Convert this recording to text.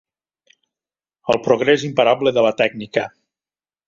El progrés imparable de la tècnica.